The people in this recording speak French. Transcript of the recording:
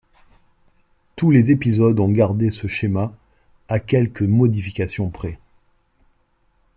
Tous les épisodes ont gardé ce schéma à quelques modifications près.